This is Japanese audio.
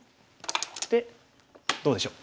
でどうでしょう？